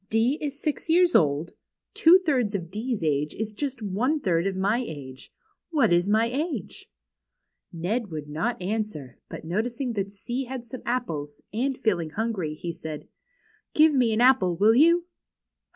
D is six years old. Two thirds of D's age is just one third of my age. What is my age ?" Ned would not answer, but noticing that C had some apples, and feeling hungry, he said :" Give me an apple, Avill you